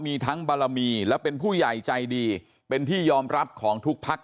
มีทั้งบารมีและเป็นผู้ใหญ่ใจดีเป็นที่ยอมรับของทุกพัก